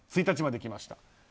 １日まで来ました。